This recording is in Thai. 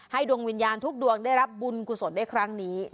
ดวงวิญญาณทุกดวงได้รับบุญกุศลได้ครั้งนี้